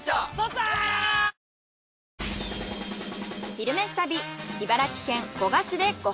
「昼めし旅」。